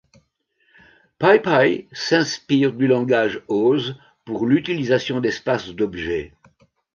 PyPy s'inspire du langage Oz pour l'utilisation d'espace d'objets.